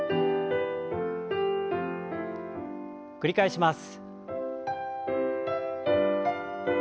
繰り返します。